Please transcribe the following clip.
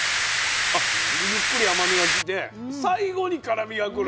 あっでゆっくり甘みがきて最後に辛みがくる。